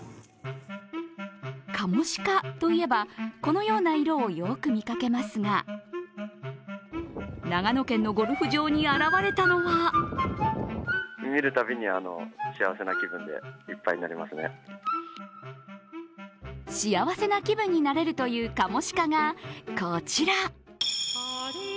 カモシカといえばこのような色をよく見かけますが長野県のゴルフ場に現れたのは幸せな気分になれるというカモシカがこちら。